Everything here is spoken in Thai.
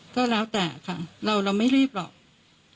ก็แล้วแต่ค่ะเราเราไม่รีบหรอกถ้าน้องยังอยู่